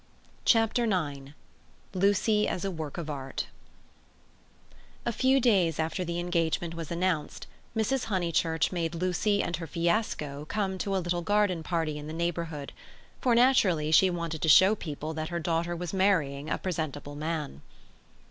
Chapter IX Lucy As a Work of Art A few days after the engagement was announced Mrs. Honeychurch made Lucy and her Fiasco come to a little garden party in the neighbourhood, for naturally she wanted to show people that her daughter was marrying a presentable man.